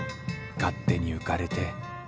勝手に浮かれて。